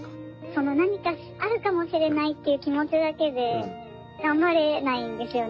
その何かあるかもしれないっていう気持ちだけで頑張れないんですよね。